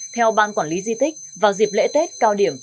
theo ban quản lý di tích vào dịp lễ tết cao điểm